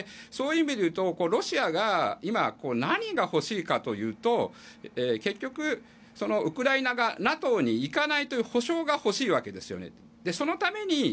そういう意味でいうとロシアが今何が欲しいかというと結局、ウクライナがＮＡＴＯにいかないという保証が欲しいわけですよね。